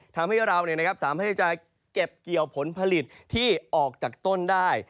ทำให้เราสามารถที่จะเก็บเกี่ยวผลผลิตที่ออกจากต้นได้